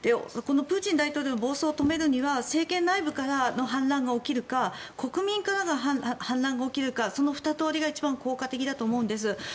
このプーチン大統領の暴走を止めるには政権内部からの反乱が起きるか国民から反乱が起きるかその２通りが一番効果的だと思うんです。